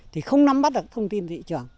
thì không nắm bắt được thông tin thị trường